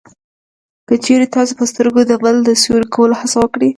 که چېرې تاسې په سترګو د بل د سوري کولو هڅه وکړئ